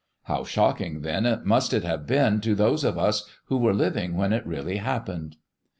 How shocking, then, must it have been to those of us who were living when it really happened.